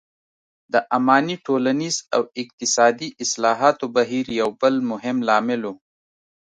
د اماني ټولنیز او اقتصادي اصلاحاتو بهیر یو بل مهم لامل و.